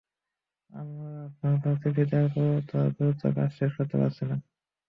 আমরা বারবার চিঠি দেওয়ার পরও তারা দ্রুত কাজ শেষ করতে পারছে না।